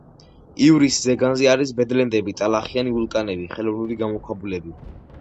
ივრის ზეგანზე არის ბედლენდები, ტალახიანი ვულკანები, ხელოვნური გამოქვაბულები.